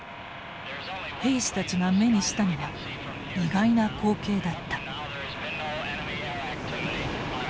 兵士たちが目にしたのは意外な光景だった。